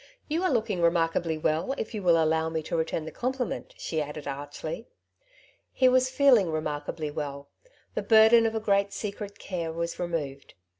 " You are looking remarkably well, if you will allow me to return the compliment/^ she added archly. He was feeling remarkably well. The burden of a great secret care was removed.